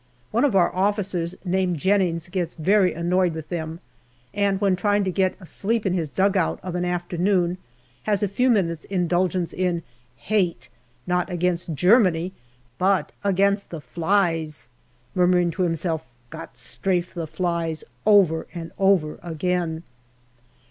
One of our officers named Jennings gets very annoyed with them, and when trying to get a sleep in his dugout of an after noon, has a few minutes* indulgence in Hate, not against Germany, but against the flies, murmuring to himself " Gott strafe the flies !" over and over again.